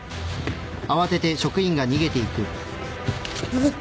えっ。